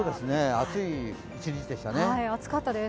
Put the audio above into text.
暑い一日でしたね。